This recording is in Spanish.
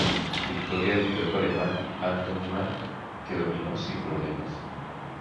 Victoria del piloto alemán Anton Mang, que dominó sin problemas.